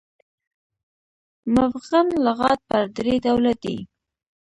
مفغن لغات پر درې ډوله دي.